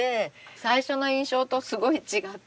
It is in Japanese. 最初の印象とすごい違って。